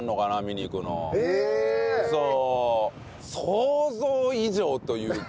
想像以上というか。